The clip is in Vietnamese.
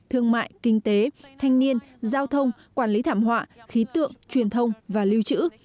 thương mại kinh tế thanh niên giao thông quản lý thảm họa khí tượng truyền thông và lưu trữ